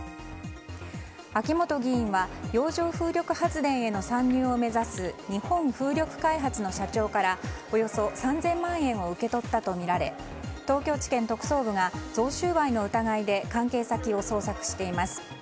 秋本議員は洋上風力発電への参入を目指す日本風力開発の社長からおよそ３０００万円を受け取ったとみられ東京地検特捜部が贈収賄の疑いで関係先を捜索しています。